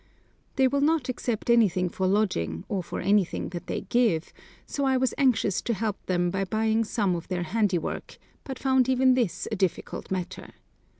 They will not accept anything for lodging, or for anything that they give, so I was anxious to help them by buying some of their handiwork, but found even this a difficult matter.